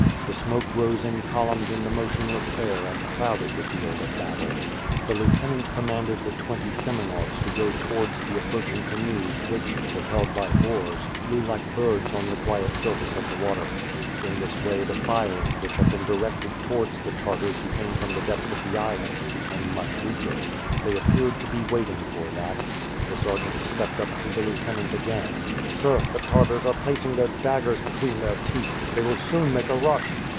The smoke rose in columns in the motionless air and clouded the field of battle. The lieutenant commanded the twenty Semenovs to go towards the approaching canoes which, propelled by oars, flew like birds on the quiet surface of the water. In this way, the firing, which had been directed towards t' 0 Tartars who came from the depths of the island became much weaker. They appeared to be waiting for that. The sergeant stepped up to the lieutenant again: "Sir, the Tartars are placing their daggers between their teeth; they will soon make a rush."